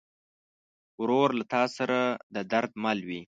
ورور له تا سره د درد مل وي.